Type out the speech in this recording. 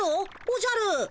おじゃる？